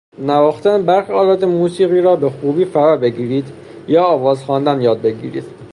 نواختن برخی آلات موسیقی را به خوبی فرابگیرید یا آواز خواندن یاد بگیرید.